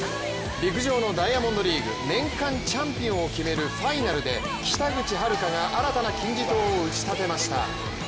陸上のダイヤモンドリーグ、年間チャンピオンを決めるファイナルで北口榛花が新たな金字塔を打ちたてました。